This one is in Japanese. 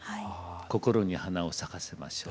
こころに花を咲かせましょう。